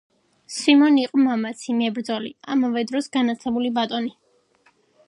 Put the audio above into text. სვიმონი იყო მამაცი მებრᲫოლი, ამავე დროს განაᲗლებული ბატონი.